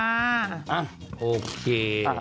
อ่ะโอเค